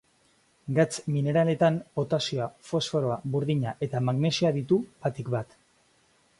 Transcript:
Gatz mineraletan, potasioa, fosforoa, burdina eta magnesioa ditu batik bat.